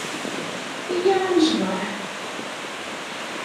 Iyya ad necḍeḥ.